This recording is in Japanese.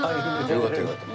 よかったよかった。